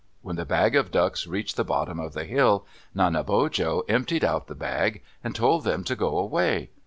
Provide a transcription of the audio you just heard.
When the bag of ducks reached the bottom of the hill, Nanebojo emptied out the bag, and told them to go away.